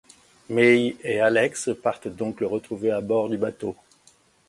May et Alex partent donc le retrouver à bord du bateau.